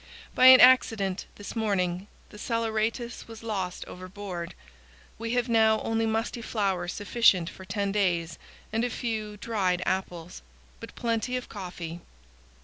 By an accident, this morning, the saleratus was lost overboard. We have now only musty flour sufficient for ten days and a few dried apples, but plenty of coffee.